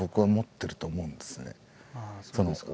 そうですか。